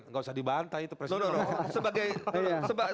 tidak usah dibantai itu presiden